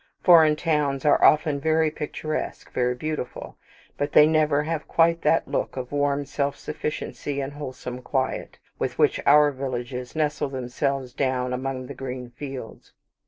Foreign towns are often very picturesque, very beautiful, but they never have quite that look of warm self sufficiency and wholesome quiet, with which our villages nestle themselves down among the green fields.